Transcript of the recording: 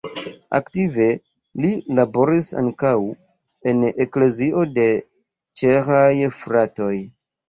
Aktive ŝi laboris ankaŭ en Eklezio de Ĉeĥaj Fratoj.